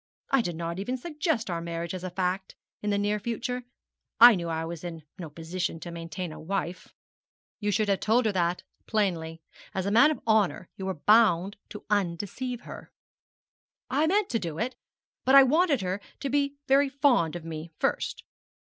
I did not even suggest our marriage as a fact in the near future. I knew I was in no position to maintain a wife.' 'You should have told her that plainly. As a man of honour you were bound to undeceive her.' 'I meant to do it, but I wanted her to be very fond of me first.